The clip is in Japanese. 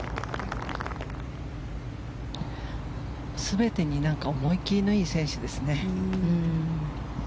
全てに思い切りのいい選手ですね。